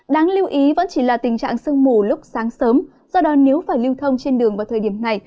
đáng lưu ý vẫn chỉ là tình trạng sương mù lúc sáng sớm do đó nếu phải lưu thông trên đường vào thời điểm này